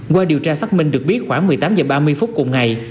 qua điều tra xác minh được biết khoảng một mươi tám h ba mươi phút cùng ngày